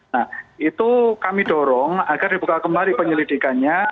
nah itu kami dorong agar dibuka kembali penyelidikannya